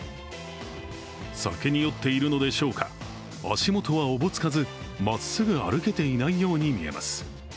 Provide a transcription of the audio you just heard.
酒に酔っているのでしょうか、足元はおぼつかず、まっすぐ歩けていないように見えます。